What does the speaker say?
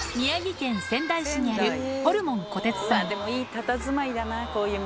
いいたたずまいだなこういう店。